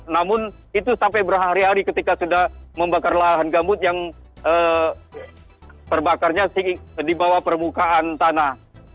namun itu sampai berhari hari ketika sudah membakar lahan gambut yang terbakarnya di bawah permukaan tanah